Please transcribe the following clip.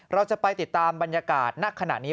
เราจะไปติดตามบรรยากาศณขณะนี้